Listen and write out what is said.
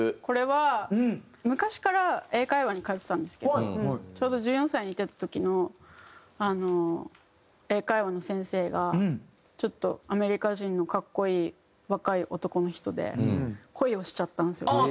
これは昔から英会話に通ってたんですけどちょうど１４歳に行ってた時の英会話の先生がちょっとアメリカ人の格好いい若い男の人で恋をしちゃったんですよ。